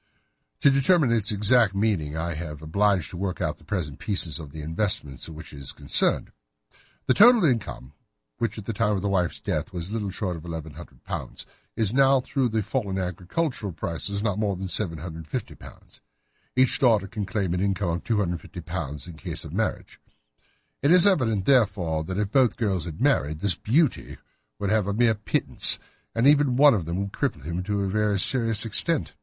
"To determine its exact meaning I have been obliged to work out the present prices of the investments with which it is concerned. The total income, which at the time of the wife's death was little short of £ 1,100, is now, through the fall in agricultural prices, not more than £ 750. Each daughter can claim an income of £ 250, in case of marriage. It is evident, therefore, that if both girls had married, this beauty would have had a mere pittance, while even one of them would cripple him to a very serious extent.